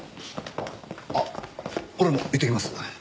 あっ俺も行ってきます。